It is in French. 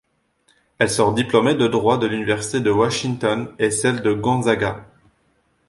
Elle sort diplômée de droit de l'université de Washington et celle de Gonzaga.